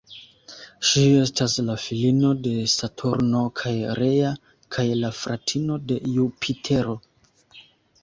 Ŝi estas la filino de Saturno kaj Rea kaj la fratino de Jupitero.